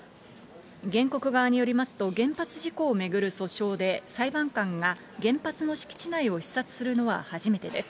原告側によりますと、原発事故を巡る訴訟で、裁判官が、原発の敷地内を視察するのは初めてです。